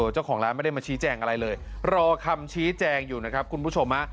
เจ้าของร้านไม่ได้มาชี้แจงอะไรเลยรอคำชี้แจงอยู่นะครับคุณผู้ชมฮะ